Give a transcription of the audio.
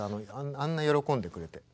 あんな喜んでくれて。